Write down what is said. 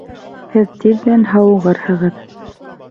Һеҙ тиҙҙән һауығырһығыҙ